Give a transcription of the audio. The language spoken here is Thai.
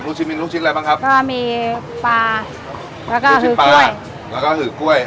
ชิ้นมีลูกชิ้นอะไรบ้างครับก็มีปลาแล้วก็ลูกชิ้นปลาแล้วก็หือกล้วย